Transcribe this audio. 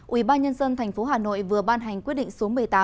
ubnd tp hà nội vừa ban hành quyết định số một mươi tám